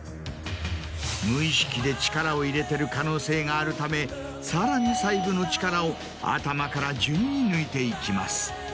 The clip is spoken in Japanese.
無意識で力を入れてる可能性があるためさらに細部の力を頭から順に抜いていきます。